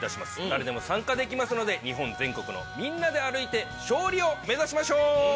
誰でも参加できますので日本全国のみんなで歩いて勝利を目指しましょう！